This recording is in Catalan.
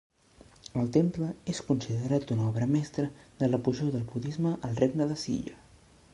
El temple és considerat una obra mestra de l'apogeu del budisme al Regne de Silla.